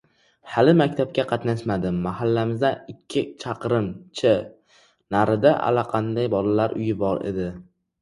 Hali maktabga qatnamasdim. Mahallamizdan ikki chaqirim- cha narida allaqanday bolalar uyi bor edi.